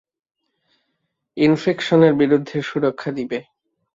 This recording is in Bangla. ইনফেকশনের বিরুদ্ধে সুরক্ষা দিবে।